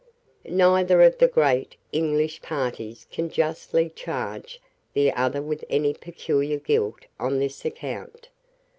Neither of the great English parties can justly charge the other with any peculiar guilt on this account.